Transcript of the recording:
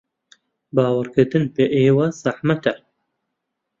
باوەڕکردن بە ئێوە زەحمەتە.